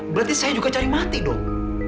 berarti saya juga cari mati dong